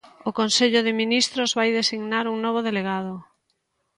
O Consello de Ministros vai designar un novo delegado.